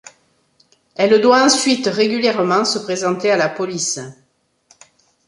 Elle doit ensuite régulièrement se présenter à la police.